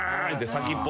先っぽ。